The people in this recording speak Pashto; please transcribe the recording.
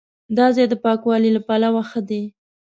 دا ځای د پاکوالي له پلوه ښه دی.